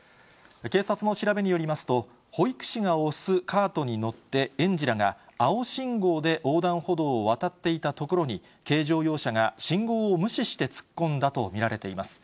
警察の調べによりますと、保育士が押すカートに乗って、園児らが青信号で横断歩道を渡っていたところに、軽乗用車が信号を無視して、突っ込んだと見られています。